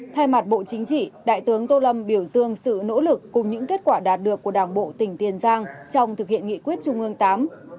thay mặt bộ chính trị đại tướng tô lâm biểu dương sự nỗ lực cùng những kết quả đạt được của đảng bộ tỉnh tiền giang trong thực hiện nghị quyết trung ương viii